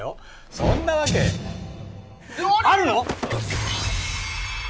そんなわけあるの！？